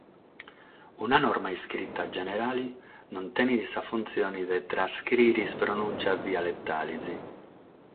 Una norma iscrita generale non tenet sa funtzione de “trascrìere” sas pronùntzias dialetales.